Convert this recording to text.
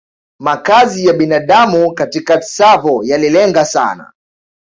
Makazi ya binadamu katika Tsavo yalilenga sana